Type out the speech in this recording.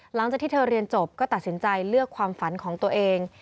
หลังจากที่เธอเรียนจบก็ตัดสินใจเลือกความฝันของตัวเอง